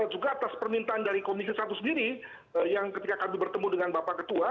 juga atas permintaan dari komisi satu sendiri yang ketika kami bertemu dengan bapak ketua